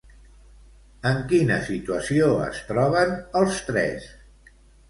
En quina situació es troben els tres?